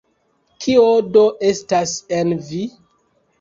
Kio do estas en vi?